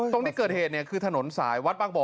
โยเธอเหตุนี้ก็คือถนนสายวัดบางบ่อ